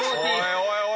おい